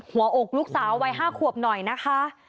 หัวอกลูกสาววัย๕ขวบหน่อยนะคะ